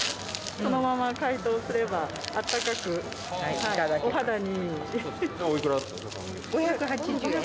このまま解凍すれば、あったかく、お肌にいい。